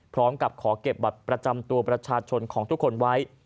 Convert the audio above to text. พร้อมกับขอเก็บบัตรประจำตัวประชาชนของทุกคนไว้